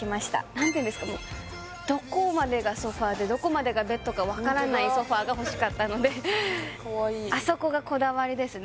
何ていうんですかどこまでがソファでどこまでがベッドか分からないソファが欲しかったのでかわいいどこどこ？